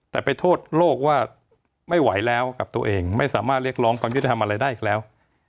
แต่ไปโทษโลกว่าไม่ไหวแล้วกับตัวเองไม่สามารถเรียกร้องความยุติธรรมอะไรได้อีกแล้ว